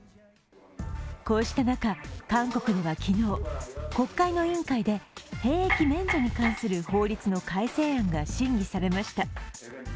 こうした中、韓国では昨日、国会の委員会で兵役免除に関する法律の改正案が審議されました。